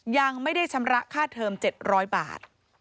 ยังไม่ได้ชำระค่าเทอม๗๐๐บาท